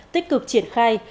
tích cực triển khai